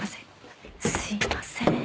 すいません。